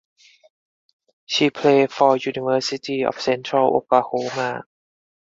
She played for University of Central Oklahoma.